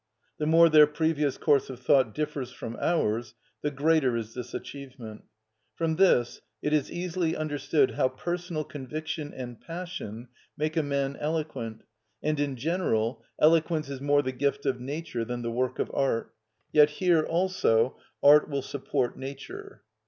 The more their previous course of thought differs from ours, the greater is this achievement. From this it is easily understood how personal conviction and passion make a man eloquent; and in general, eloquence is more the gift of nature than the work of art; yet here, also, art will support nature.